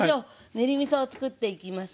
練りみそをつくっていきます。